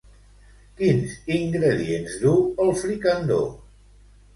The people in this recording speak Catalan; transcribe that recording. Quins ingredients du el fricandó?